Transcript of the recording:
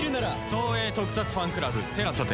東映特撮ファンクラブＴＥＬＡＳＡで。